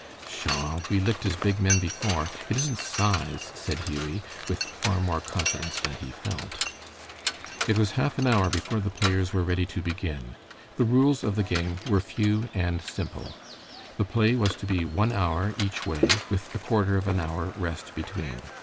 "Pshaw! we licked as big men before. It isn't size," said Hughie, with far more confidence than he felt. It was half an hour before the players were ready to begin. The rules of the game were few and simple. The play was to be one hour each way, with a quarter of an hour rest between.